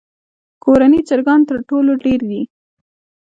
کورني چرګان تر ټولو ډېر دي.